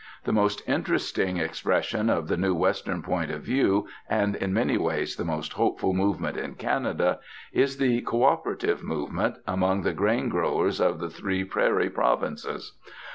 The most interesting expression of the new Western point of view, and in many ways the most hopeful movement in Canada, is the Co operative movement among the grain growers of the three prairie provinces.